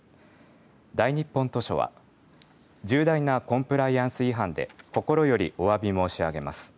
大日本図書は重大なコンプライアンス違反で心よりおわび申し上げます。